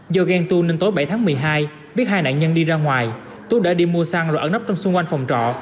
do ghen tu nên tối bảy tháng một mươi hai biết hai nạn nhân đi ra ngoài tú đã đi mua xăng rồi ở nắp trong xung quanh phòng trọ